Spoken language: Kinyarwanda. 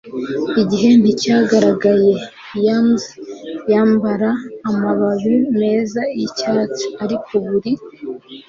igihe nticyagaragaye. yams yambara amababi meza yicyatsi, ariko buri